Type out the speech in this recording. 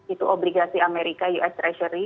itu obligasi amerika us treasury